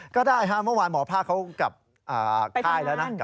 ก็ได้มะวานหมอภาคเขากลับช่อยแล้ว